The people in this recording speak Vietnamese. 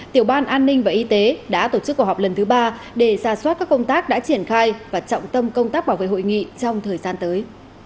tiểu ban an ninh và y tế đã tổ chức cuộc họp lần thứ ba để ra soát các công tác đã triển khai và trọng tâm công tác bảo vệ hội nghị trong thời gian tới